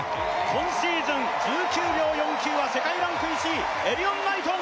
今シーズン１９秒４９は世界ランク１位エリヨン・ナイトン